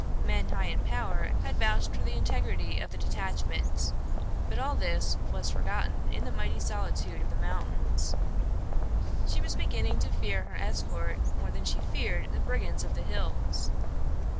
Men high in power had vouched for the integrity of the detachment, but all this was forgotten in the mighty solitude of the mountains. She was beginning to fear her escort more than she feared the brigands of the hills.